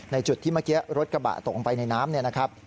จุดที่เมื่อกี้รถกระบะตกลงไปในน้ำเนี่ยนะครับ